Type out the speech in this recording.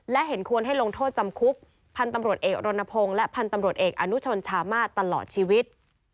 และเห็นควรให้ลงโทษจำคุกพันธุ์ตำรวจเอกรณพงศ์และพันธ์ตำรวจเอกอนุชนชามาศตลอดชีวิต